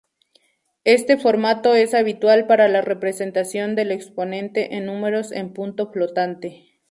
Este formato es habitual para la representación del exponente en números en punto flotante.